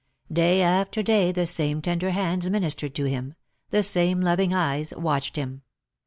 Day after day the same tender hands ministered to him, the same loving eyes watched him.